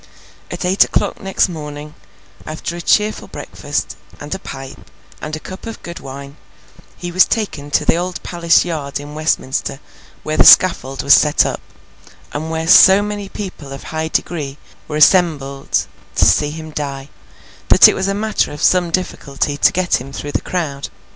At eight o'clock next morning, after a cheerful breakfast, and a pipe, and a cup of good wine, he was taken to Old Palace Yard in Westminster, where the scaffold was set up, and where so many people of high degree were assembled to see him die, that it was a matter of some difficulty to get him through the crowd.